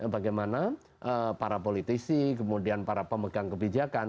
bagaimana para politisi kemudian para pemegang kebijakan